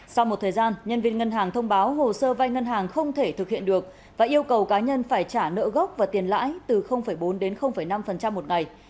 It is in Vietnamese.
sau một thời gian nhân viên ngân hàng thông báo hồ sơ vai ngân hàng không thể thực hiện được và yêu cầu cá nhân phải trả nợ gốc và tiền lãi từ bốn đến năm một ngày